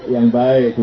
yang baik duduk